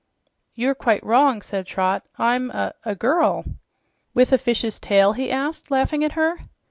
"You are quite wrong," said Trot. "I'm a a girl." "With a fish's tail?" he asked, laughing at her.